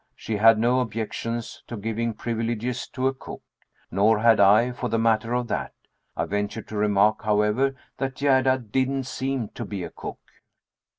She had no objections to giving privileges to a cook. Nor had I, for the matter of that. I ventured to remark, however, that Gerda didn't seem to be a cook.